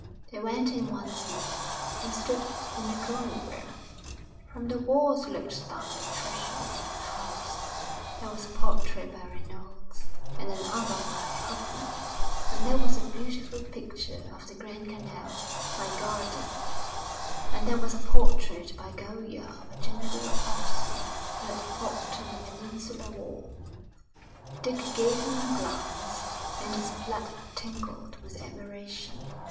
They went in once more and stood in the drawing room. From the walls looked down the treasures of the house. There was a portrait by Reynolds, and another by Hoppner, and there was a beautiful picture of the Grand Canal by Guardi, and there was a portrait by Goya of a General Allerton who had fought in the Peninsular War. Dick gave them a glance, and his blood tingled with admiration.